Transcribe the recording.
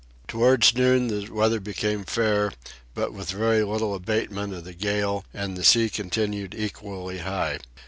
Towards noon the weather became fair, but with very little abatement of the gale and the sea remained equally high.